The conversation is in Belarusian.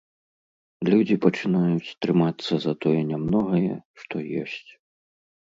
Людзі пачынаюць трымацца за тое нямногае, што ёсць.